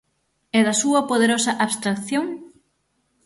E da súa poderosa abstracción?